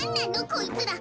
こいつら。